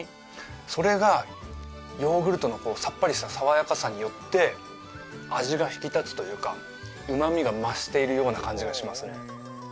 それがヨーグルトのさっぱりした爽やかさによって味が引き立つというか旨味が増しているような感じがしますね